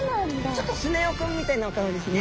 ちょっとスネ夫君みたいなお顔ですね。